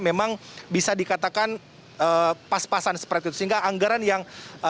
memang bisa dikatakan pas pasan seperti itu sehingga anggaran yang